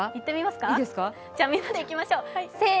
じゃ、みんなでいきましょう。